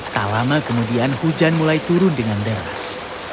tak lama kemudian hujan mulai turun dengan deras